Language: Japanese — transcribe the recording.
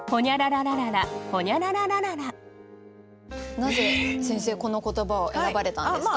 なぜ先生この言葉を選ばれたんですか？